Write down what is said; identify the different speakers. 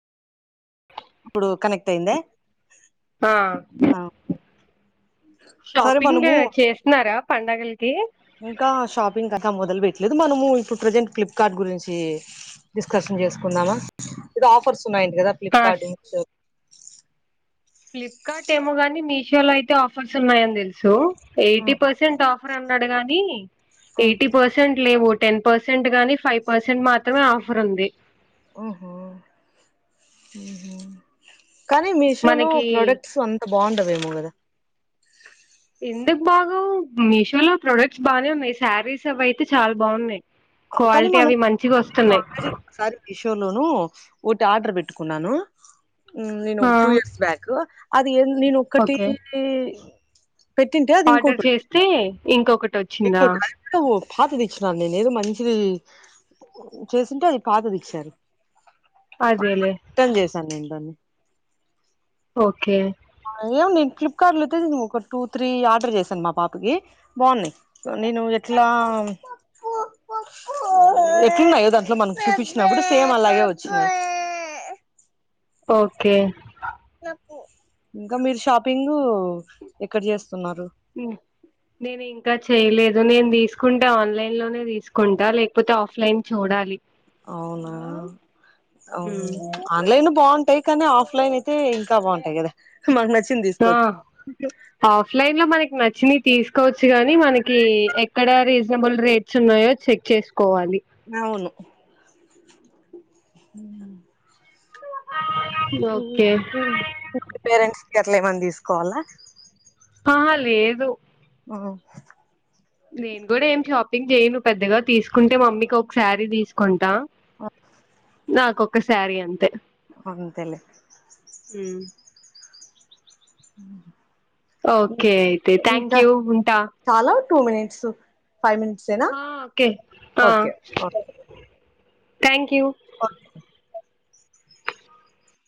Speaker 1: ఇప్పుడు కనెక్ట్ అయింద
Speaker 2: ఆ షాపింగ్ చేస్తున్నారా పండగల
Speaker 1: ఇంకా షాపింగ్ కదా మొదలు పెట్టలేదు మనము ఇప్పుడు ప్రెజెంట్ ఫ్లిప్కార్ట్ గురించి డిస్కస్ చేసుకుందామా ఎదో ఆఫర్స్ ఉన్నాయి అంటకదా
Speaker 2: ఆ
Speaker 1: ఫ్లిప్కార్ట్
Speaker 2: ఫ్లిప్కార్ట్ ఏమో గాని మీషోలో అయితే ఆఫర్స్ ఉన్నాయని తెలుసు ఎయిటీ పర్సెంట్ ఆఫర్ అన్నాడు గాని ఎయిటీ పర్సెంట్ లేవు టెన్ పర్సెంట్ గాని ఫైవ్ పర్సెంట్ మాత్రమే ఆఫర్ ఉంది
Speaker 1: ఓహో ఉహో కానీ మీషో లో
Speaker 2: మనకి
Speaker 1: ప్రోడక్ట్స్ అంత బాగుండవేమో గదా
Speaker 2: ఎందుకు బాగోవ్ మీషో లో ప్రొడక్ట్స్ బాగనే ఉన్నాయి శారీస్ అవి అయితే చాలా బాగున్నాయి
Speaker 1: కానీ
Speaker 2: క్వాలిటీ
Speaker 1: మనం
Speaker 2: అవి మంచిగా వస్తున్నాయి
Speaker 1: ఆల్రడీ ఒకసారి మీషోలోనూ ఉ ఆర్డర్ పెట్టుకున్నాను నేను ఒక
Speaker 2: ఆ
Speaker 1: టూ ఇయర్స్ బ్యాక్ నేను ఒక్కటి
Speaker 2: ఓకే
Speaker 1: పెట్టింటే అది
Speaker 2: ఆర్డర్
Speaker 1: ఇంకోటి వచ్చింది
Speaker 2: చేస్తే ఇంకొకటి వచ్చిందా
Speaker 1: ఇప్పుడు డెరక్ట్ పాత దించిన్నా నేనేదో మంచి ఇది చేసింటే ఇది పాతది ఇచ్చారు
Speaker 2: అదేలే
Speaker 1: రిట్రన్ చేసాను నేను దాన్ని
Speaker 2: ఓకే
Speaker 1: ఏం నేను ఫ్లిప్కార్ట్ లోతే ఒక టూ త్రీ ఆర్డర్ చేశాను మా పాపకి బాగున్నాయి నేను ఎట్లా ఎట్లున్నాయో దాంట్లో మనకు చూపించినప్పుడు సేమ్ అలాగే వచ్చినంయి
Speaker 2: ఓకే
Speaker 1: ఇంకా మీరు షాపింగ్ ఎక్కడ చేస్త
Speaker 2: నేను ఇంకా చేయలేదు ఎదో నేను తీసుకుంటే ఆన్లైన్ లోనే తీసుకుంటా లేకపోతే ఆఫ్లైన్ చూడాలి
Speaker 1: అవునా ఆవు
Speaker 2: ఉమ్.
Speaker 1: ఆన్లైన్ లో భూ బాగుంటాయి కానీ ఆఫ్లైన్ అయితే ఇంకా బాగుంటాయి కదా మనకు నచ్చింది తీసుకోవచ్చు
Speaker 2: ఆ ఆఫ్లైన్ లో మనకి నచ్ చి తీసుకోవచ్చు గానీ మనకి ఎక్కడ రీజనబుల్ రేట్స్ ఉన్నాయో చెక్ చెస్
Speaker 1: అవును
Speaker 2: ఓకే
Speaker 1: ఉ పేరెంట్స్ అట్లా ఏమంది తీసుకోవాలా
Speaker 2: ఆహా లేదు
Speaker 1: ఓ
Speaker 2: నేను కూడా ఏం షాపింగ్ చేయ్యను పెద్దగా తీసుకుంటే మమ్మీకి ఒక శారీ తీసుకుంటా నాకొక్క శారీ అంతే
Speaker 1: అంతేలే
Speaker 2: ఉమ్
Speaker 1: ఉ
Speaker 2: ఓకే అయితే థ్యాంక్ యూ ఉంటా
Speaker 1: చాలా టూ మినిట్స్ ఫైవ్ మినిట్స్ ఏనా
Speaker 2: హా ఓకే ఆ
Speaker 1: okay okay
Speaker 2: thank you
Speaker 1: okay